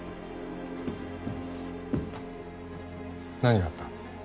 何があった？